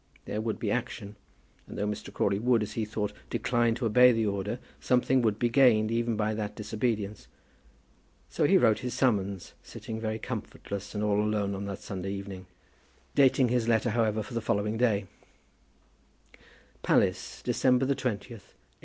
There would be action. And though Mr. Crawley would, as he thought, decline to obey the order, something would be gained even by that disobedience. So he wrote his summons, sitting very comfortless and all alone on that Sunday evening, dating his letter, however, for the following day: Palace, December 20, 186